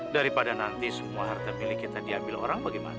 daripada nanti semua harta milik kita diambil orang bagaimana